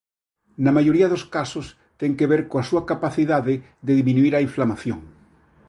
Na maioría dos casos ten que ver coa súa capacidade de diminuír a inflamación.